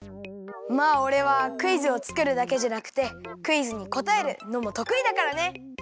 まあおれはクイズをつくるだけじゃなくてクイズにこたえるのもとくいだからね！